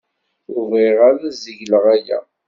Ur bɣiɣ ara ad zegleɣ aya.